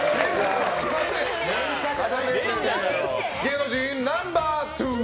芸能人ナンバー２。